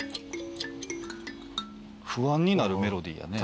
不安になるメロディーやね。